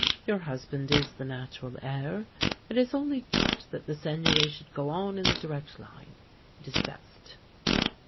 Your husband is the natural heir, and it is only just that the Seigneury should go on in the direct line. It is best."